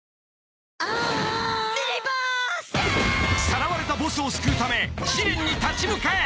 ［さらわれたボスを救うため試練に立ち向かえ］